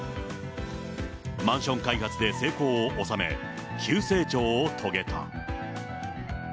マンション開発で成功を収め、急成長を遂げた。